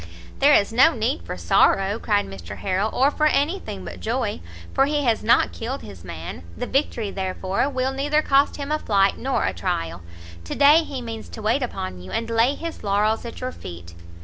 "There is no need for sorrow," cried Mr Harrel, "or for any thing but joy, for he has not killed his man; the victory, therefore, will neither cost him a flight nor a trial. To day he means to wait upon you, and lay his laurels at your feet."